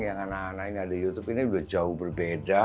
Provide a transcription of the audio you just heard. yang aneh anehnya di youtube ini udah jauh berbeda